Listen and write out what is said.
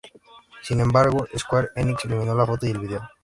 Sin embargo, Square Enix eliminó la foto y el video.